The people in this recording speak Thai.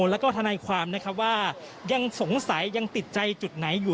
แล้วก็ทนายความนะครับว่ายังสงสัยยังติดใจจุดไหนอยู่